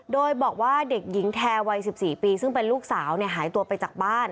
โดยบอกว่าเด็กหญิงแทวัย๑๔ปีซึ่งเป็นลูกสาวหายตัวไปจากบ้าน